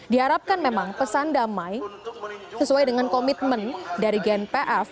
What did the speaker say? diharapkan memang pesan damai sesuai dengan komitmen dari gnpf